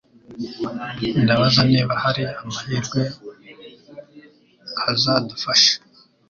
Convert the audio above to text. Ndabaza niba hari amahirwe azadufasha.